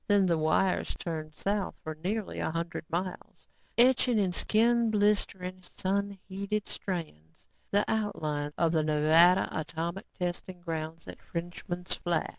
Then the wires turned south for nearly a hundred miles, etching in skin blistering, sun heated strands, the outlines of the Nevada atomic testing grounds at Frenchman's Flat.